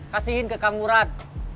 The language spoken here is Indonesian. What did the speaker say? kasihin ke kang murad